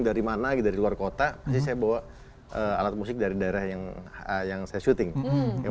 dari mana dari luar kota pasti saya bawa alat musik dari daerah yang yang saya syuting yang